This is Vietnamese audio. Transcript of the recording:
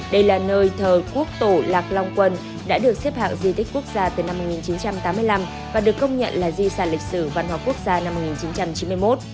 đây là nơi thờ quốc tổ lạc long quân đã được xếp hạng di tích quốc gia từ năm một nghìn chín trăm tám mươi năm và được công nhận là di sản lịch sử văn hóa quốc gia năm một nghìn chín trăm chín mươi một